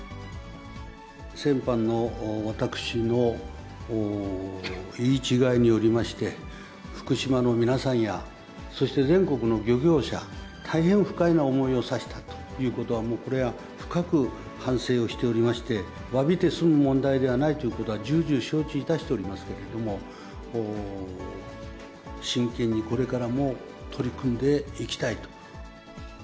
先般の私の言い違いによりまして、福島の皆さんやそして全国の漁業者、大変不快な思いをさせたということは、これは深く反省をしておりまして、わびて済む問題ではないということは、重々承知いたしておりますけれども、真剣にこれからも取り組んでいきたいと。